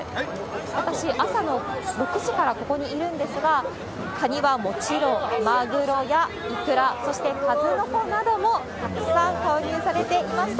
私、朝の６時からここにいるんですが、カニはもちろん、マグロやイクラ、そしてカズノコなどもたくさん購入されていました。